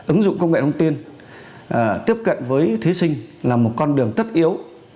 ứng dụng công nghệ thông tin tiếp cận với thí sinh là một con đường tất yếu